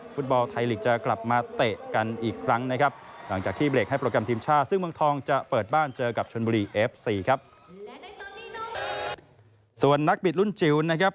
ส่วนนักบิดรุ่นจิ๋วนะครับ